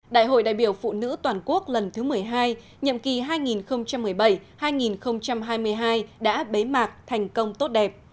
đại hội đại biểu phụ nữ toàn quốc lần thứ một mươi hai nhiệm kỳ hai nghìn một mươi bảy hai nghìn hai mươi hai đã bế mạc thành công tốt đẹp